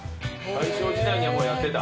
大正時代にはもうやってた？